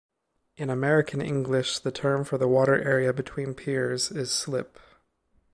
In American English, the term for the water area between piers is "slip".